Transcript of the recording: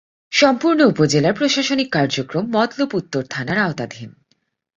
সম্পূর্ণ উপজেলার প্রশাসনিক কার্যক্রম মতলব উত্তর থানার আওতাধীন।